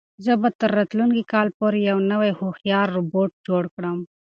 زه به تر راتلونکي کال پورې یو نوی او هوښیار روبوټ جوړ کړم.